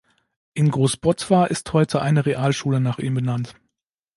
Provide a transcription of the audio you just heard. In Großbottwar ist heute eine Realschule nach ihm benannt.